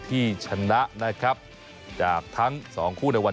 ก็จะมีความสนุกของพวกเรา